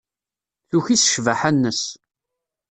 Tuki s ccbaḥa-nnes.